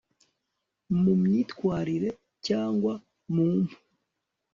Mu myitwarire cyangwa mu mpu